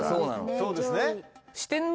そうですね。